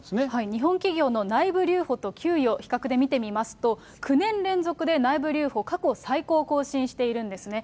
日本企業の内部留保と給与、比較で見てみますと、９年連続で内部留保、過去最高を更新しているんですね。